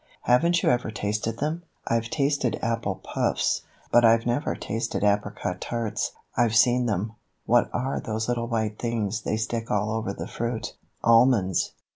"Haven't you ever tasted them?" "I've tasted apple puffs, but I've never tasted apricot tarts. I've seen them. What are those little white things they stick all over the fruit?" "Almonds."